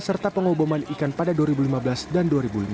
serta pengoboman ikan pada dua ribu lima belas dan dua ribu lima belas